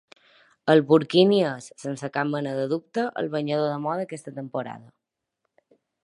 El burquini és, sense cap mena de dubte, el banyador de moda aquesta temporada.